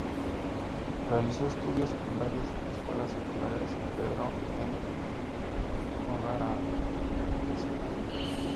Realizó sus estudios secundarios en la Escuela Secundaria de San Pedro, en Johannesburgo.